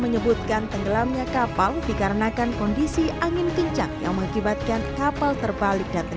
menyebutkan tenggelamnya kapal dikarenakan kondisi angin kencang yang mengakibatkan kapal terbalik dan